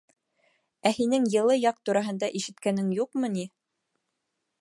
— Ә һинең йылы яҡ тураһында ишеткәнең юҡмы ни?